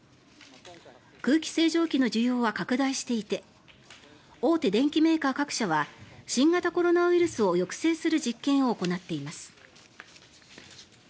空気清浄機の需要は拡大していて大手電機メーカー各社は新型コロナウイルスを抑制する実験を行っています。